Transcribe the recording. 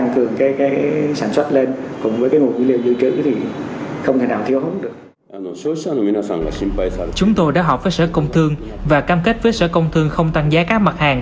cửa hàng để họp với sở công thương và cam kết với sở công thương không tăng giá các mặt hàng